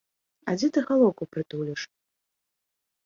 А дзе ты галоўку прытуліш?